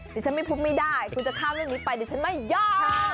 ดิฉันไม่พูดไม่ได้คุณจะข้ามเรื่องนี้ไปดิฉันไม่ยาก